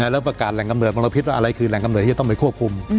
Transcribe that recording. แล้วประกาศแหล่งกำเนิดของเราคิดว่าอะไรคือแหล่งกำเนิดที่จะต้องไปควบคุม